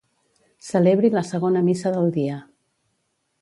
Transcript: Celebri la segona missa del dia.